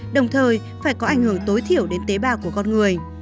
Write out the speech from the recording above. đồng thời phải có ảnh hưởng tối thiểu đến tế bào của con người